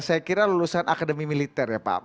saya kira lulusan akademi militer ya pak